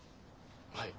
はい。